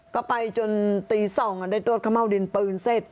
ก็ไปจนตีสองอ่ะได้ตรวจข้าวเม่าดินปืนเสร็จ